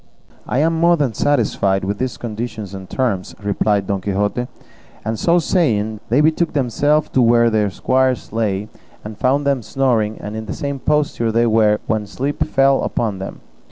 "I am more than satisfied with these conditions and terms," replied Don Quixote; and so saying, they betook themselves to where their squires lay, and found them snoring, and in the same posture they were in when sleep fell upon them.